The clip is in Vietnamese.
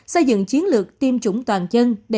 xây dựng chiến lược tiêm chủng toàn dân để phủ vaccine